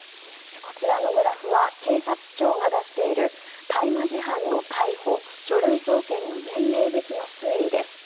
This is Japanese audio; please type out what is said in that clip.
こちらのグラフは警察庁が出している大麻事犯の逮捕・書類送検の年齢別の推移です。